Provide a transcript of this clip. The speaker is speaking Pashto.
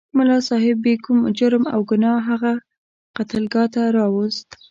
ملا صاحب بې کوم جرم او ګناه هغه قتلګاه ته راوست.